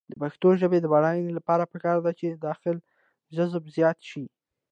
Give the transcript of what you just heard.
د پښتو ژبې د بډاینې لپاره پکار ده چې داخلي جذب زیات شي.